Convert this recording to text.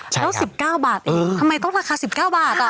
ใช่ครับแล้วสิบเก้าบาทอีกเออทำไมต้องราคาสิบเก้าบาทอ่ะ